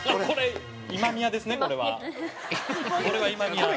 これは今宮。